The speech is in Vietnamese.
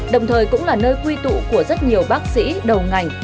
đồng thời cũng là nơi quy tụ của rất nhiều bác sĩ đầu ngành